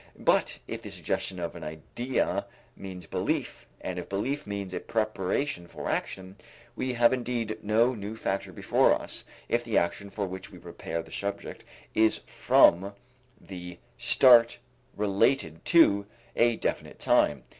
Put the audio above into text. But if the suggestion of an idea means belief, and if belief means a preparation for action, we have indeed no new factor before us if the action for which we prepare the subject is from the start related to a definite time.